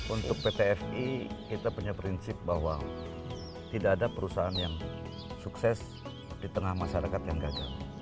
untuk pt fi kita punya prinsip bahwa tidak ada perusahaan yang sukses di tengah masyarakat yang gagal